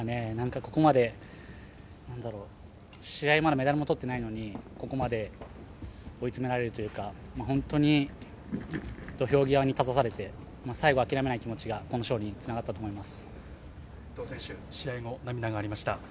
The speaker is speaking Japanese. ここまでまだメダルも取っていないのにここまで追い詰められるというか本当に土俵際に立たされて最後は諦めない気持ちがこの勝利につながったと思います。